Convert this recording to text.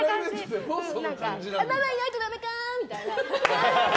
ママいないとダメか！みたいな。